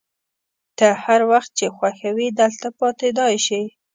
ته هر وخت چي خوښه وي دلته پاتېدای شې.